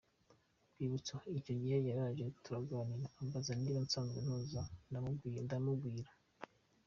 Rwibutso: Icyo gihe yaraje turaganira ambaza niba nsanzwe ntoza, ndamubwira.